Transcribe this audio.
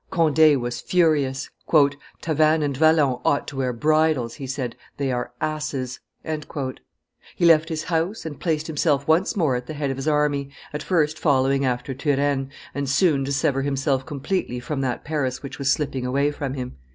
Conde was furious. "Tavannes and Vallon ought to wear bridles," he said; "they are asses;" he left his house, and placed himself once more at the head of his army, at first following after Turenne, and soon to sever himself completely from that Paris which was slipping away from him.